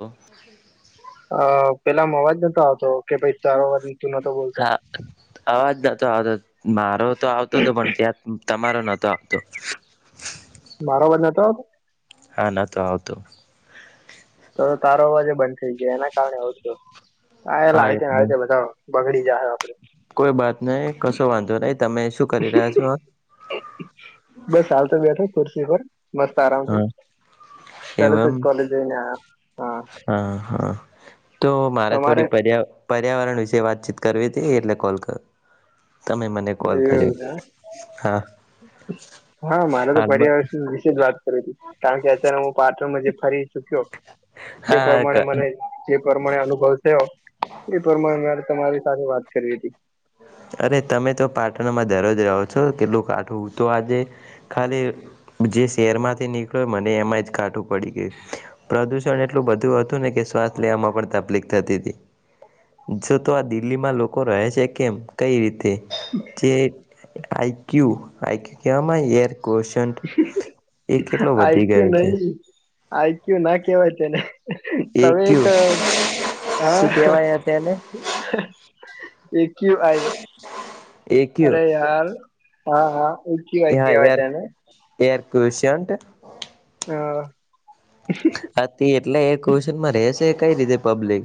તો અ પેલામાં અવાજ નતો આવતો કે ભઈ ત રુચિ નતો બોલતો હા અવાજ નતો આવતો મારો તો આવતો તો પણ ત્યાં તમારો નહોતો આવતો. મારો અવાજ નતો આવતો. હા ન તો આવતો. તો તારો અવાજ બન થ જાય એના કારણે વ છું. હા એકદમ બગડી જાય આપડે કોઈ બાત નહી કશો વાંધો નહી તમે શું કરી રહ્યા છો? બસ હાલ [unintelligible] મસ્ત આરામથી હા તરત એવું જ એમ કોલેજ જઈને આયા. હા હા હ. [inaudible] તો મારે તમારે થોડી પર્યા પ. ર્યાવરણ વિશે વાતચીત કરવી હતી એટલે કોલ ક હા [unintelligible] હા મારે તો હાલમાં પર્યાવણ વિશેજ વાત કારણ કે અત્યારે હું પાટન મા જે હરી ચક્યો તે પ્રમાણે હા મને જે પ્રમાણે અનુભવ થયો એ પ્રમાણે તમારી સાથે વાત કરી હતી. અરે તમે તો પાટણમાં દરરોજ રહો છો કેટલું કાઠું તો આજે ખાલી જે શહેરમાંથી નીકળ્યો મને એમાં જ કાઠું પડી ગયું પ્રદુષણ એટલું બધું હતું ને કે શ્વાસ લેવામાં પણ તકલીફ થતી હતી જો તો આ દિલ્હીમાં લોકો રહે છે. કેમ કઈ રીતે? કૅ આઈક્યુ આકિ કમાં એર કોશન્ટ એ કેટલો વધી ગયો છે. આઈકય્યું ના કેવાય તેને. એ તમે ક્યુ એક અ શું હા. કેવાય તેને A Q I. A Q અરે યાર હા હા ચી વાય કેવાય તેને. એરકર્શન્ટ. હા. આકી એટલે એ ક્વેશનમાં રેસ. તે કઈ રીતે પબ્લિક?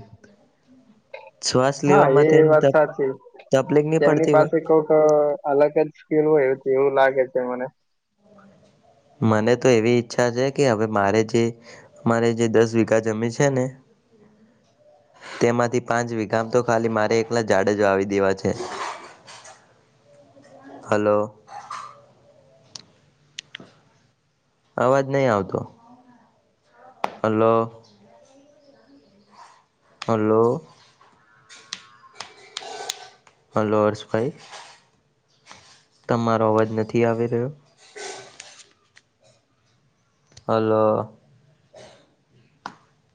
શ્વાસ હા લેવામાં એ તેને વાત તક સાચી તકલીફ નહી તેમની પડતી હોય પાસે કોક અલગ જ સ્કીલ હોય એવું લાગે. મને. મને તો એવી ઈચ્છા છે કે હવે મારે જે મારે જે દસ વીઘા જમી છે ને તેમાંથી પાંચ વીઘામાં તો ખાલી મારે એકલા જાડેજ વાવી દેવા છે. હાલો. અવાજ નહી આવતો. હાલો. હાલો. હાલો હર્ષભાઈ. તમારો અવાજ નથી આવી રહ્યો. હાલો.